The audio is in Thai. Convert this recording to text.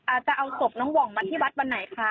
อาจจะเอาศพน้องวองมาที่บัตรวันไหนคะ